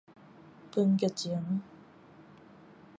分局前